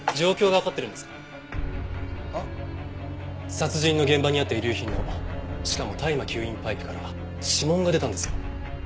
殺人の現場にあった遺留品のしかも大麻吸引パイプから指紋が出たんですよ。